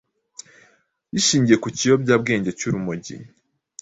rishingiye ku kiyobyabwenge cy’urumogi